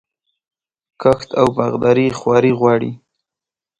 کښت او باغداري خواري غواړي.